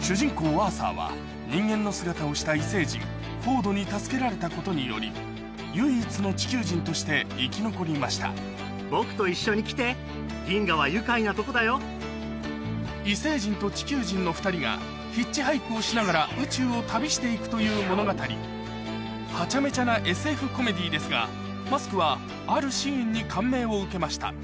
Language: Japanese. アーサーは人間の姿をした異星人フォードに助けられたことにより唯一の地球人として生き残りました異星人と地球人の２人がヒッチハイクをしながら宇宙を旅して行くという物語はちゃめちゃなＳＦコメディーですがマスクはあるシーンに感銘を受けました